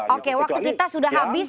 oke waktu kita sudah habis